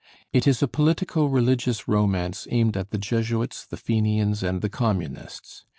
It is a politico religious romance aimed at the Jesuits, the Fenians, and the Communists.